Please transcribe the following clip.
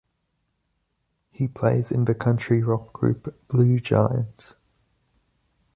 He plays in the country rock group Blue Giant.